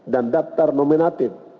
dan daftar nominatif